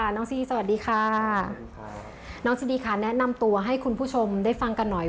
น้องซีสวัสดีค่ะน้องซีดีค่ะแนะนำตัวให้คุณผู้ชมได้ฟังกันหน่อย